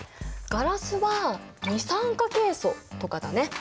ガラスは二酸化ケイ素とかだね。